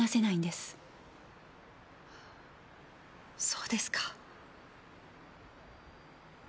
そうですか。